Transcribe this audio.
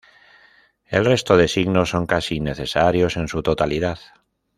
El resto de signos son casi innecesarios en su totalidad.